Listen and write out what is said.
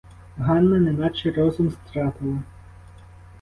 Ганна неначе розум стратила.